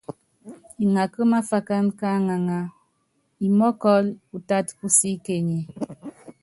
Iŋaká máfákan ká aŋaŋá mɔkɔ́l pupat pú síkeny.